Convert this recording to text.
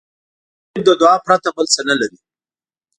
غریب له دعا پرته بل څه نه لري